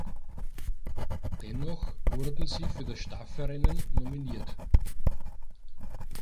Dennoch wurden sie für das Staffelrennen nominiert.